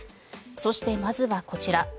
そして、まずはこちら。